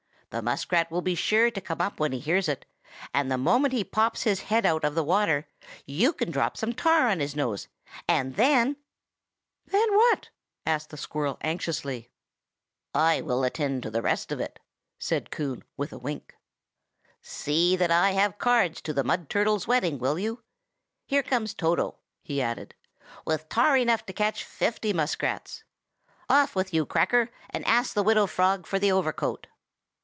The muskrat will be sure to come up when he hears it, and the moment he pops his head out of the water, you can drop some tar on his nose, and then—" "Then what?" asked the squirrel anxiously. "I will attend to the rest of it," said Coon, with a wink. "See that I have cards to the Mud Turtle's wedding, will you? Here comes Toto," he added, "with tar enough to catch fifty muskrats. Off with you, Cracker, and ask the Widow Frog for the overcoat."